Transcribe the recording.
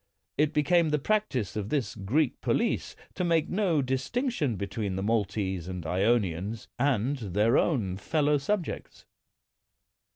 It became the practise of this Greek police to make no distinction be tween the Maltese and lonians and their own fellow subjects.